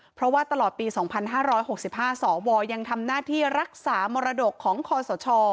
เพราะว่าตลอดปี๒๕๖๕สวยังทำหน้าที่รักษามรดกของคอสช